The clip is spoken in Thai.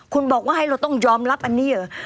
คุณบอกว่าให้เราต้องยอมรับอันนี้เหรอ